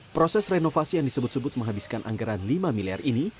proses renovasi yang disebut sebut menghabiskan anggaran lima miliar ini